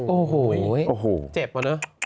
โอ้โห้ยโอ้โห้ยเจ็บเหรอ